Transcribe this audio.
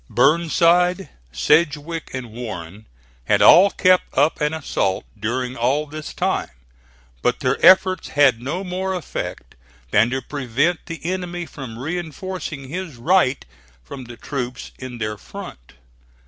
Burnside, Sedgwick, and Warren had all kept up an assault during all this time; but their efforts had no other effect than to prevent the enemy from reinforcing his right from the troops in their front.